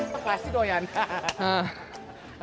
kepas sih doyan